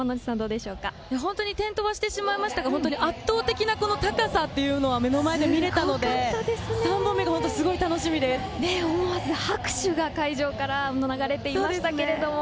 本当に転倒はしてしまいましたけど圧倒的な高さというのは目の前で見れたので、３本目がすご思わず拍手が会場から流れていました。